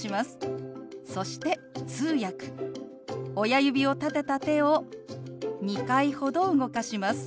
親指を立てた手を２回ほど動かします。